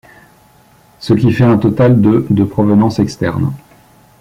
Ce qui fait un total de de provenance externe.